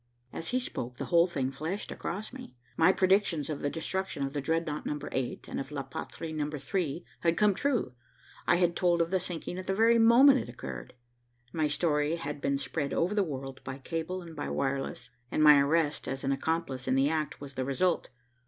As he spoke, the whole thing flashed across me. My predictions of the destruction of the Dreadnought Number 8 and of La Patrie Number 3 had come true. I had told of the sinking at the very moment it occurred. My story had been spread over the world by cable and by wireless, and my arrest as an accomplice in the act was the result.